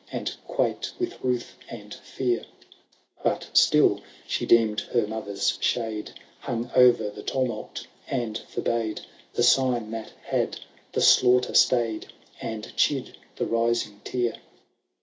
And quaked with ruth and fear ; But still she deemed her mother''s shade Hung o*er the tumult, and forbade The sign that had the slaughter staid. And chid the rising tear.